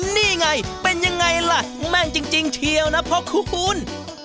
นี่ไงเป็นยังไงล่ะแม่นจริงเชียวนะพ่อคุณ